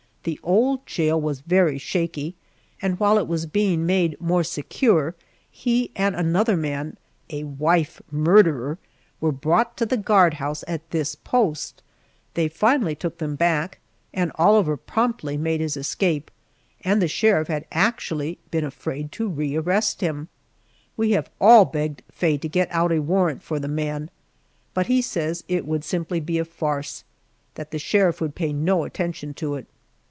The old jail was very shaky, and while it was being made more secure, he and another man a wife murderer were brought to the guardhouse at this post. They finally took them back, and Oliver promptly made his escape, and the sheriff had actually been afraid to re arrest him. We have all begged Faye to get out a warrant for the man, but he says it would simply be a farce, that the sheriff would pay no attention to it.